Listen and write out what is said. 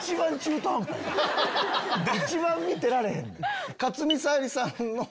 一番見てられへん。